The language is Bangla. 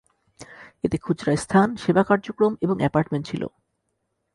এতে খুচরা স্থান, সেবা কার্যক্রম এবং অ্যাপার্টমেন্ট ছিল।